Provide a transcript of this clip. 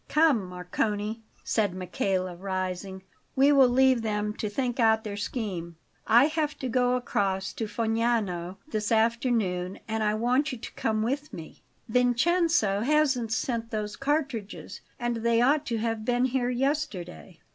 "Come, Marcone," said Michele, rising; "we will leave them to think out their scheme. I have to go across to Fognano this afternoon, and I want you to come with me. Vincenzo hasn't sent those cartridges, and they ought to have been here yesterday."